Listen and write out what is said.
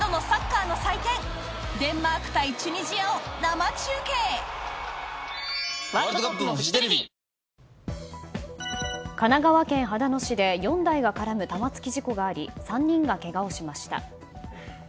生しょうゆはキッコーマン神奈川県秦野市で４台が絡む玉突き事故があり３人がけがをしました。